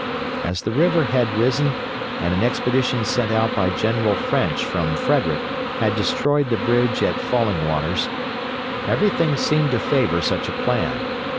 As the river had risen and an expedition sent out by General French from Frederick had destroyed the bridge at Falling Waters, everything seemed to favor such a plan.